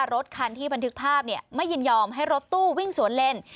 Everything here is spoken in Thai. รถคันที่บันทึกภาพไม่ยินยอมให้รถตู้วิ่งสวนเลน